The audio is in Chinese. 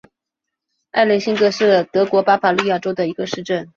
埃雷辛格是德国巴伐利亚州的一个市镇。